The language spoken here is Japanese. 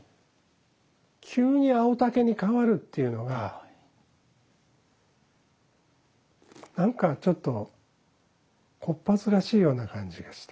急に青竹に変わるっていうのが何かちょっと小っ恥ずかしいような感じがした。